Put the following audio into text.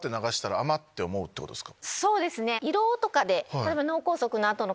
そうですね。